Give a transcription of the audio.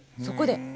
そこで？